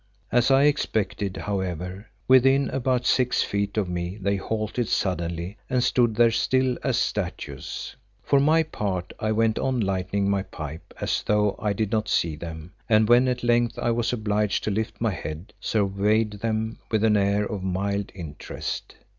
As I expected, however, within about six feet of me they halted suddenly and stood there still as statues. For my part I went on lighting my pipe as though I did not see them and when at length I was obliged to lift my head, surveyed them with an air of mild interest.